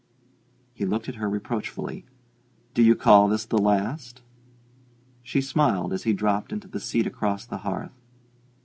He looked at her reproachfully. "Do you call this the last?" She smiled as he dropped into the seat across the hearth.